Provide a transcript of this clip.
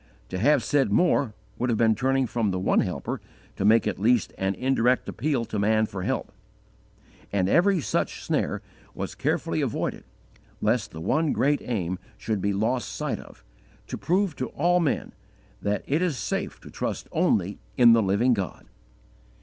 To have said more would have been turning from the one Helper to make at least an indirect appeal to man for help; and every such snare was carefully avoided lest the one great aim should be lost sight of: to prove to all men that it is safe to trust only in the Living God.